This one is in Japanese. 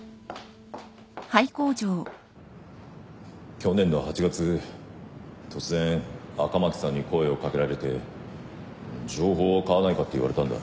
去年の８月突然赤巻さんに声を掛けられて「情報を買わないか」って言われたんだ。